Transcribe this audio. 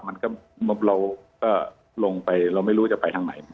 มันก็โล่ลงไปเราไม่รู้จะไปทางไหนครับ